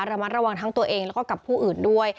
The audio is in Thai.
ระมัดระวังทั้งตัวเองแล้วก็กับผู้อื่นด้วย